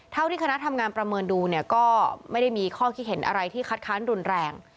ที่คณะทำงานประเมินดูเนี่ยก็ไม่ได้มีข้อคิดเห็นอะไรที่คัดค้านรุนแรง